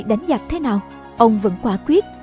đánh giặc thế nào ông vẫn quả quyết